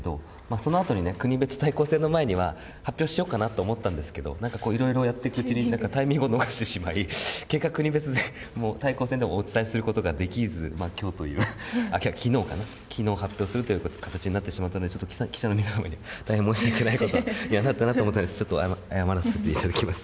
そのあとに国別対抗戦の前には、発表しようかなと思ったんですけど、なんかこう、いろいろやっていくうちにタイミングを逃してしまい、結果、国別対抗戦でお伝えすることができず、きょうという、あっ、きのうかな、きのう発表するという形になってしまったんで、ちょっと記者の皆様には大変申し訳ないことにはなったなと思って、ちょっと謝らせていただきます。